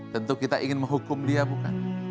tentu kita ingin menghukum dia bukan